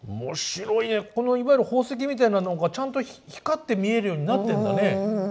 このいわゆる宝石みたいなのがちゃんと光って見えるようになってんだね。